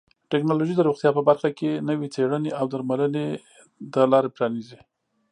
ټکنالوژي د روغتیا په برخه کې نوې څیړنې او درملنې لارې پرانیزي.